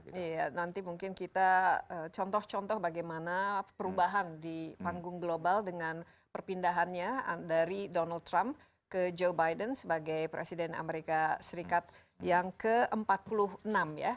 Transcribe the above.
iya nanti mungkin kita contoh contoh bagaimana perubahan di panggung global dengan perpindahannya dari donald trump ke joe biden sebagai presiden amerika serikat yang ke empat puluh enam ya